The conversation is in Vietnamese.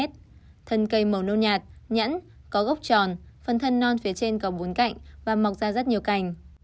thân cây màu nâu nhạt nhẫn có gốc tròn phần thân non phía trên có bốn cạnh và mọc ra rất nhiều cành